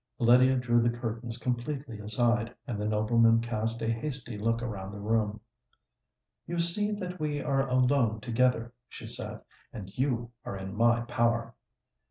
Lydia drew the curtains completely aside; and the nobleman cast a hasty look round the room. "You see that we are alone together," she said; "and you are in my power!"